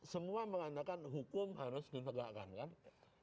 semua mengatakan hukum harus ditegakkan kan